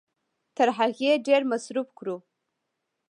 تر هغې ډېر مصرف کړو